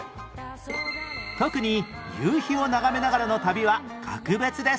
特に夕日を眺めながらの旅は格別です